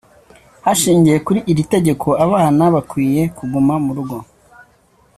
Hashingiwe kuri iri tegeko abana bakwiye kuguma murugo.